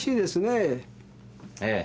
ええ。